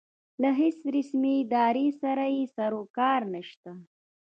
له هېڅ رسمې ادارې سره یې سروکار نشته.